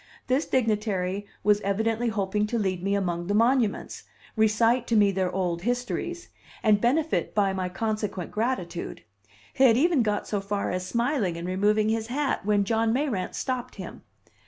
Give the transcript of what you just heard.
This dignitary was evidently hoping to lead me among the monuments, recite to me their old histories, and benefit by my consequent gratitude; he had even got so far as smiling and removing his hat when John Mayrant stopped him.